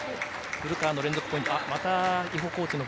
古川の連続ポイント。